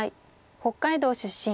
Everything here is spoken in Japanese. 北海道出身。